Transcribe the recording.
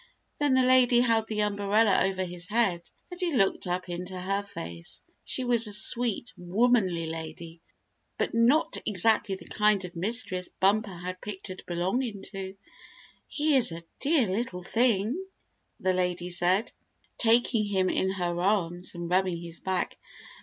Then the lady held the umbrella over his head, and he looked up into her face. She was a sweet, womanly lady, but not exactly the kind of mistress Bumper had pictured belonging to. "He is a dear little thing," the lady said, taking him in her arms and rubbing his back.